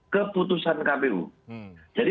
keputusan kpu jadi